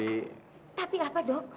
tapi apa dok